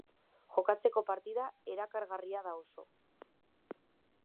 Jokatzeko partida erakargarria da oso.